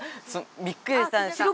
びっくりしたんです！